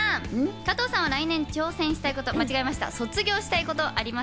加藤さんは来年挑戦したいこと、間違いました！